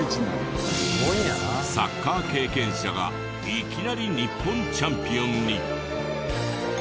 サッカー経験者がいきなり日本チャンピオンに。